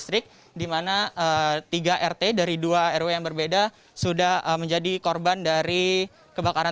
tadi edukasi sudah kita berikan